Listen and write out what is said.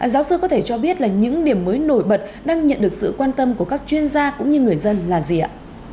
giáo sư có thể cho biết là những điểm mới nổi bật đang nhận được sự quan tâm của các chuyên gia cũng như người dân là gì ạ